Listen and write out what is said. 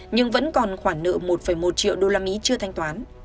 nhưng vẫn còn khoản nợ một một triệu đô la mỹ chưa thanh toán